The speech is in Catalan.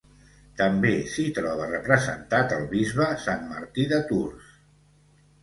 També s'hi troba representat el bisbe Sant Martí de Tours.